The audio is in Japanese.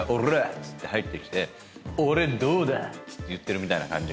っつって入ってきて俺どうだ？って言ってるみたいな感じ。